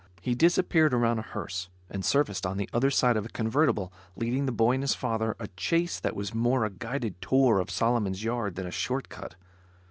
He disappeared around a hearse, and surfaced on the other side of a convertible, leading the boy and his father a chase that was more a guided tour of Solomon's yard than a short cut.